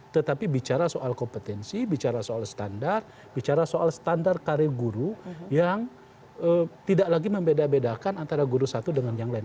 tetapi bicara soal kompetensi bicara soal standar bicara soal standar karir guru yang tidak lagi membeda bedakan antara guru satu dengan yang lain